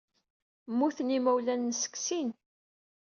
Mmuten yimawlan-nnes deg sin.